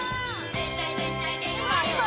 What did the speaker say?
ぜったいぜったいできるよね